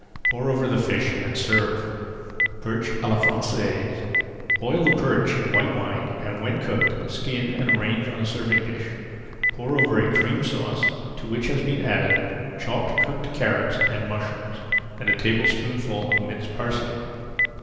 Pour over the fish and serve. PERCH À LA FRANÇAISE Boil the perch in white wine, and when cooked, skin and arrange on a serving dish. Pour over a Cream Sauce to which has been added chopped cooked carrots and mushrooms and a tablespoonful of minced parsley.